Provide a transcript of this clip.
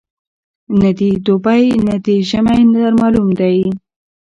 نه دي دوبی نه دي ژمی در معلوم دی